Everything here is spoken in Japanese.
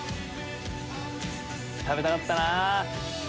食べたかったなぁ！